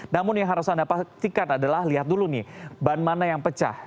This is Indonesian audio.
namun yang harus anda pastikan adalah lihat dulu nih ban mana yang pecah